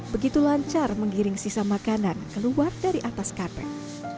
begitu lancar menggiring sisa makanan keluar dari atas karpet